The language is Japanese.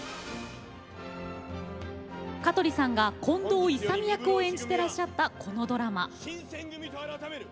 香取さんが、近藤勇役を演じていらっしゃったこのドラマ。